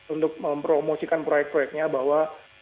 untuk mempromosikan proyek proyeknya bahwa